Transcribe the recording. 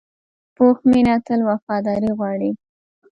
پوخ مینه تل وفاداري غواړي